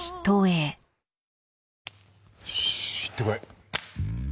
よし行ってこい！